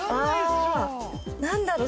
あ何だろう